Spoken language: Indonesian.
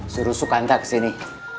suruh sukanta kesini